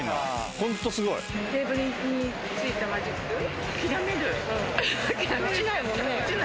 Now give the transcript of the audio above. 本当、すごいな。